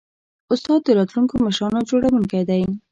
استاد د راتلونکو مشرانو جوړوونکی دی.